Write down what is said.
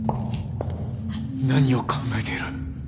何を考えている？